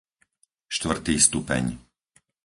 štvrtý stupeň